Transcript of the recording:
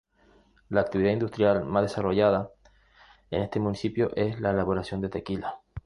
La actividad industrial más desarrollada en este municipio es la elaboración de tequila.